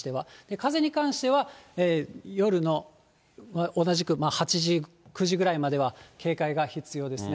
風に関しては、夜の同じく８時、９時ごろまでは警戒が必要ですね。